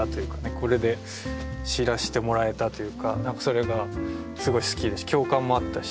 これで知らしてもらえたというか何かそれがすごい好きですし共感もあったし。